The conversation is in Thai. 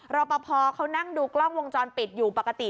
รอปภเขานั่งดูกล้องวงจรปิดอยู่ปกติ